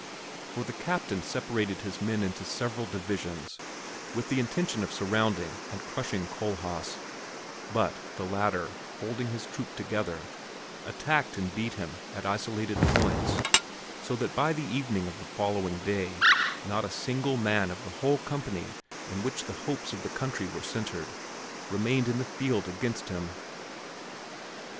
For the captain separated his men into several divisions, with the intention of surrounding and crushing Kohlhaas; but the latter, holding his troop together, attacked and beat him at isolated points, so that by the evening of the following day, not a single man of the whole company in which the hopes of the country were centred, remained in the field against him.